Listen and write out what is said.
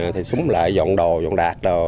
thì xuống lại dọn đồ dọn đạc đồ